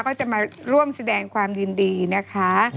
ก็จะมาร่วมแสดงความยินดีนะคะ